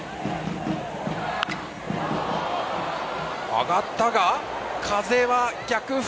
上がったが、風は逆風。